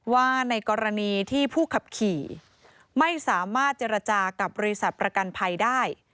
ว่าในกรณีที่ผู้ขับขี่ไม่สามารถเจรจากับบริษัทประกันภัยได้